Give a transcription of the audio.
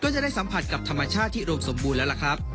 จะได้สัมผัสกับธรรมชาติที่อุดมสมบูรณ์แล้วล่ะครับ